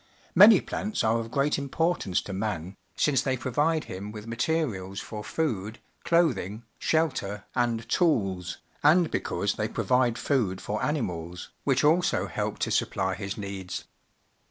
Many plants are of great importancfi„jLQ_iiiau, since they provide him with mateiials for food, clothing, shelter, and tools, and because they provide food for animals, which also help to sup4ily his needs.